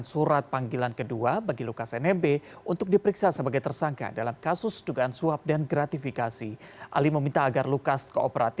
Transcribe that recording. serta kepada bapak lukas nmp